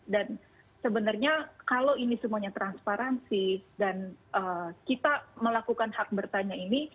dan sebenarnya kalau ini semuanya transparansi dan kita melakukan hak bertanya ini